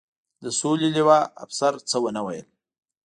د سولې لوا، افسر څه و نه ویل.